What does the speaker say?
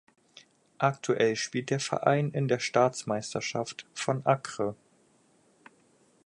Aktuell spielt der Verein in der Staatsmeisterschaft von Acre.